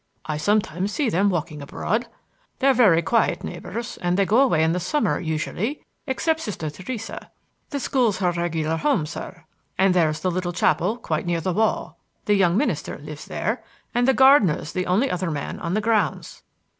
I sometimes see them walking abroad. They're very quiet neighbors, and they go away in the summer usually, except Sister Theresa. The school's her regular home, sir. And there's the little chapel quite near the wall; the young minister lives there; and the gardener's the only other man on the grounds."